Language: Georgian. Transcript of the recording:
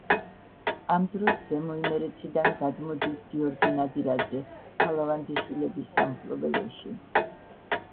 ამ დროს, ზემო იმერეთიდან, გადმოდის გიორგი ნადირაძე ფალავანდიშვილების სამფლობელოში.